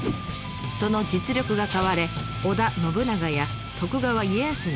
その実力が買われ織田信長や徳川家康にも仕えて活躍。